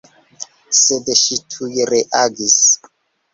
Sed ŝi tuj reagis.